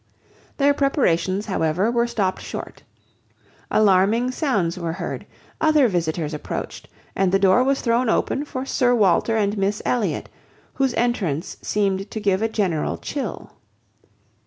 Their preparations, however, were stopped short. Alarming sounds were heard; other visitors approached, and the door was thrown open for Sir Walter and Miss Elliot, whose entrance seemed to give a general chill.